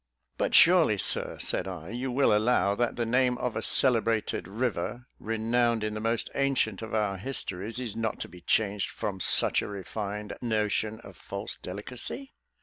"But surely, Sir," said I, "you will allow that the name of a celebrated river, renowned in the most ancient of our histories, is not to be changed from such a refined notion of false delicacy?"